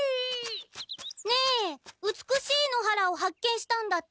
ねえ美しい野原を発見したんだって？